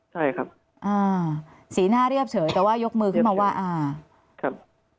ใช่ครับอ่าสีหน้าเรียบเฉยแต่ว่ายกมือขึ้นมาว่าอ่าครับ